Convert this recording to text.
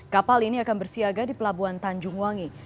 kapal ini akan bersiaga di pelabuhan tanjung wangi